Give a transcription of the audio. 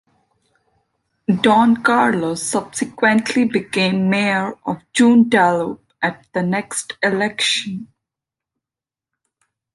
Don Carlos subsequently became Mayor of Joondalup at the next election.